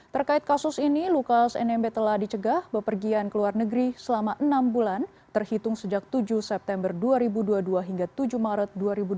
terkait kasus ini lukas nmb telah dicegah bepergian ke luar negeri selama enam bulan terhitung sejak tujuh september dua ribu dua puluh dua hingga tujuh maret dua ribu dua puluh